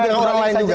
dengan orang lain juga